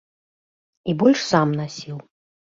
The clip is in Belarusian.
І больш сам насіў.